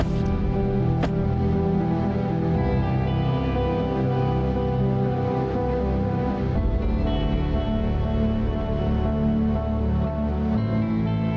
พี่ก้อง